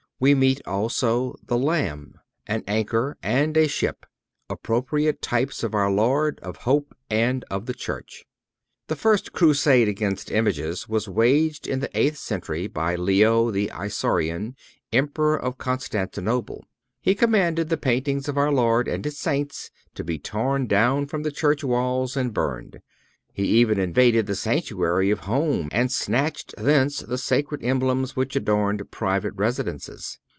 We meet also the Lamb, an anchor and a ship—appropriate types of our Lord, of hope and of the Church. The first crusade against images was waged in the eighth century by Leo the Isaurian, Emperor of Constantinople. He commanded the paintings of our Lord and His Saints to be torn down from the church walls and burned. He even invaded the sanctuary of home, and snatched thence the sacred emblems which adorned private residences.